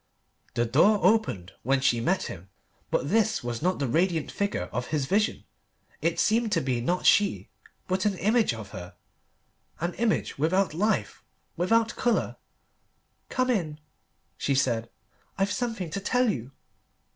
The door opened and she met him, but this was not the radiant figure of his vision. It seemed to be not she, but an image of her an image without life, without colour. "Come in," she said; "I've something to tell you."